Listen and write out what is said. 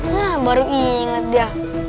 nah baru inget dia